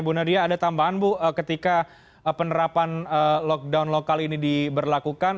bu nadia ada tambahan bu ketika penerapan lockdown lokal ini diberlakukan